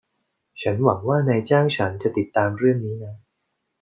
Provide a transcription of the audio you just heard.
ฉันหวงัว่านายจ้างฉันจะติดตามเรื่องนี้นะ